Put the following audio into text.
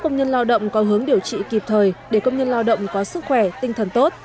công nhân lao động có hướng điều trị kịp thời để công nhân lao động có sức khỏe tinh thần tốt